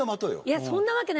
いやそんなわけないよ。